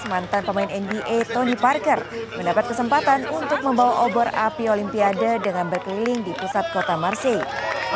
mantan pemain nba tony parker mendapat kesempatan untuk membawa obor api olimpiade dengan berkeliling di pusat kota marsik